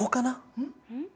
うん？